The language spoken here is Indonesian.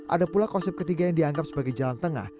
ada pula konsep ketiga yang dianggap sebagai jalan tengah